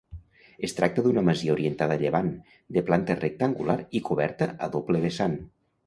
Es tracta d'una masia orientada a llevant, de planta rectangular i coberta a doble vessant.